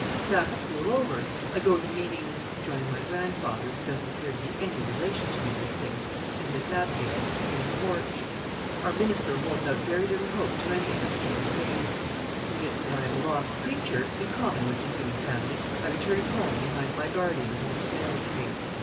Sabbath school over, I go to meeting, joining my grandfather, who doesn't appear to be any relation to me this day, and Miss Abigail, in the porch. Our minister holds out very little hope to any of us of being saved. Convinced that I am a lost creature, in common with the human family, I return home behind my guardians at a snail's pace.